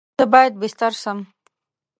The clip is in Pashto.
زه باید بیستر سم؟